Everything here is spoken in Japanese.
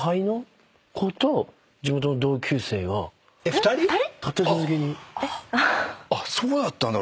２人⁉あっそうだったんだ。